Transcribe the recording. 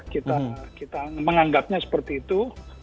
kita menganggapnya seperti itu